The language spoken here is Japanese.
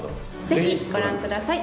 ぜひご覧ください。